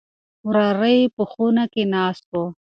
وراره يې په خونه کې ناست و.